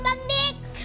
bang dik bangun